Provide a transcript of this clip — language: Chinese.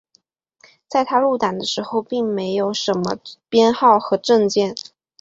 在他入党的时候并没有什么编号和证件。